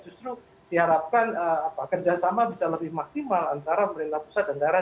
justru diharapkan kerjasama bisa lebih maksimal antara pemerintah pusat dan daerah